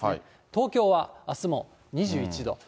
東京はあすも２１度。